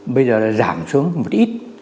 bây giờ là giảm xuống một ít